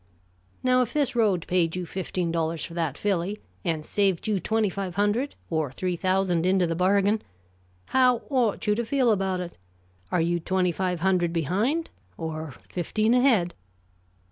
Now, if this road paid you fifteen dollars for that filly and saved you twenty five hundred or three thousand into the bargain, how ought you to feel about it? Are you twenty five hundred behind or fifteen ahead?"